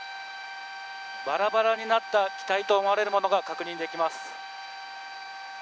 ばらばらになった機体と思われるものが確認できます。